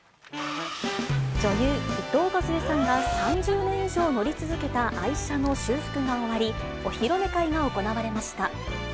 女優、伊藤かずえさんが３０年以上乗り続けた愛車の修復が終わり、お披露目会が行われました。